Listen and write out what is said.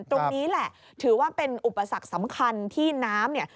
ตรงนี้แหละถือว่าเป็นอุปสรรคสำคัญที่น้ำเนี่ย